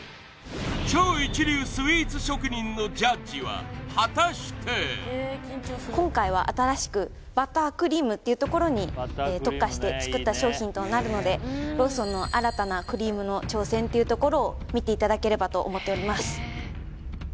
超一流スイーツ職人のジャッジは果たして今回は新しくバタークリームっていうところに特化して作った商品となるのでっていうところを見ていただければと思っております